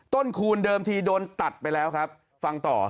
คูณเดิมทีโดนตัดไปแล้วครับฟังต่อ